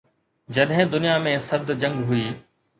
جڏهن دنيا ۾ سرد جنگ هئي.